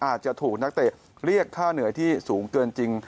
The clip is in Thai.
อาจจะถูกนักเตะเรียกค่าเหนื่อยที่สูงเกินจริง